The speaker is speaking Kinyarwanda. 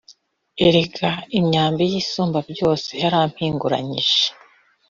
erega imyambi y isumbabyose yarampinguranije